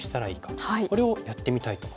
これをやってみたいと思います。